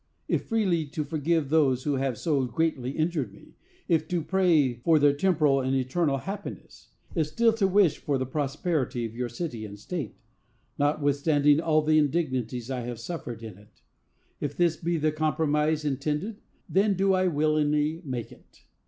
If freely to forgive those who have so greatly injured me, if to pray for their temporal and eternal happiness, if still to wish for the prosperity of your city and state, notwithstanding all the indignities l have suffered in it,—if this be the compromise intended, then do I willingly make it.